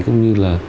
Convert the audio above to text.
cũng như là